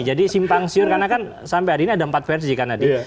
jadi simpang siur karena kan sampai hari ini ada empat versi kan tadi